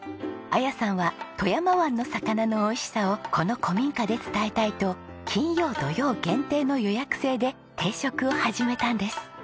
彩さんは富山湾の魚の美味しさをこの古民家で伝えたいと金曜・土曜限定の予約制で定食を始めたんです。